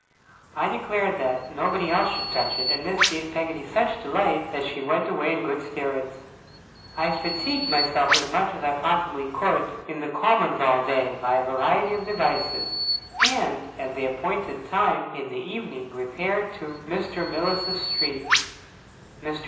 I declared that nobody else should touch it; and this gave Peggotty such delight that she went away in good spirits. I fatigued myself as much as I possibly could in the Commons all day, by a variety of devices, and at the appointed time in the evening repaired to Mr. Mills's street. Mr.